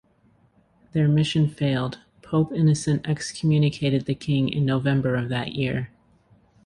Their mission failed; Pope Innocent excommunicated the King in November of that year.